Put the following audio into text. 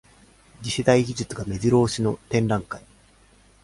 次世代技術がめじろ押しの展覧会